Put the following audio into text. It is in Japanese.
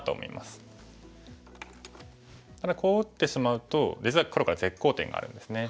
ただこう打ってしまうと実は黒から絶好点があるんですね。